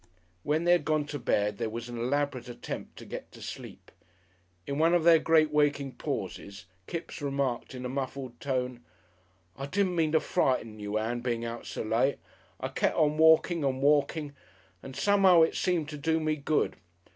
When they had gone to bed there was an elaborate attempt to get to sleep.... In one of their great waking pauses Kipps remarked in a muffled tone: "I didn't mean to frighten you, Ann, being out so late. I kep' on walking and walking, and some'ow it seemed to do me good.